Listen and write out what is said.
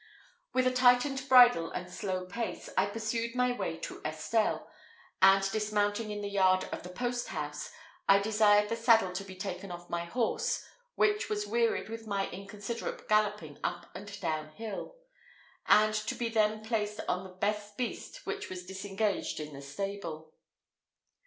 With a tightened bridle, and slow pace, I pursued my way to Estelle, and dismounting in the yard of the post house, I desired the saddle to be taken off my horse, which was wearied with my inconsiderate galloping up and down hill, and to be then placed on the best beast which was disengaged in the stable.